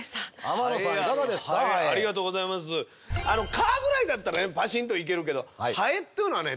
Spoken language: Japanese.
蚊ぐらいだったらバシンといけるけどハエっていうのはね